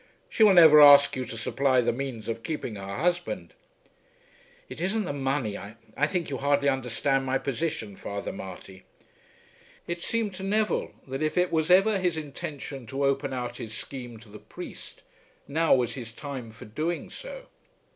She will never ask you to supply the means of keeping her husband." "It isn't the money. I think you hardly understand my position, Father Marty." It seemed to Neville that if it was ever his intention to open out his scheme to the priest, now was his time for doing so.